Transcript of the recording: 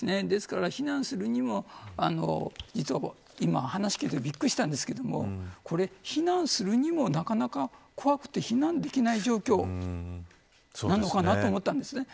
ですから、避難するにも今、話を聞いてびっくりしたんですが避難するにもなかなか怖くて避難できない状況なのかなと思ったんです。